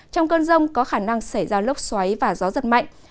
trong cơn rông có khả năng xảy ra lốc xoáy và gió giật mạnh